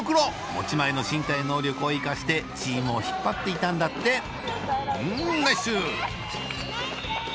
持ち前の身体能力を生かしてチームを引っ張っていたんだってうんナイスシュート！